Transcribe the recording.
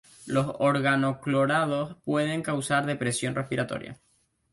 Los organoclorados pueden causar depresión respiratoria.